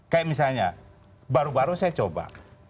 kayak misalnya baru baru saya coba